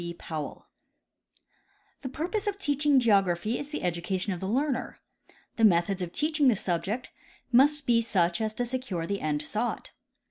B. POWELL The purpose of teaching geography is the education of the learner. The methods of teaching tlie subject must be such as to secure the end sought.